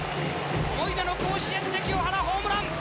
思い出の甲子園で清原、ホームラン。